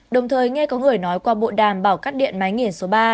đồng thời nghe có người nói qua bộ đàm bảo cắt điện máy nghiền số ba